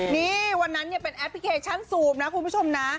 นี่วันนั้นเป็นแอปพลิเคชันซูมนะคุณผู้ชมนะ